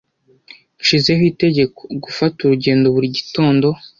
Nshizeho itegeko gufata urugendo buri gitondo.